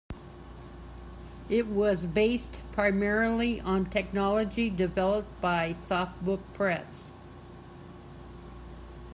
It was "based primarily on technology developed by SoftBook Press".